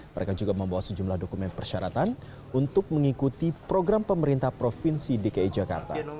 mereka juga membawa sejumlah dokumen persyaratan untuk mengikuti program pemerintah provinsi dki jakarta